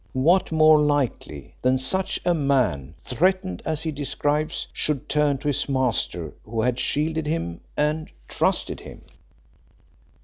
What more likely than such a man, threatened as he describes, should turn to his master who had shielded him and trusted him?"